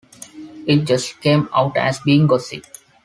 It just came out as being gossip.